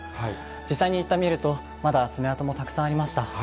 実際に行ってみると、まだ爪痕もたくさんありました。